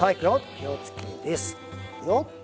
気を付けです。